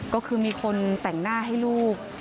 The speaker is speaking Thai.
ก็คือมีคนแต่งหน้าให้ลูก